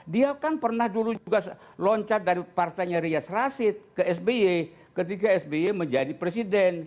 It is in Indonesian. dia kan pernah dulu juga loncat dari partainya rias rasid ke sby ketika sby menjadi presiden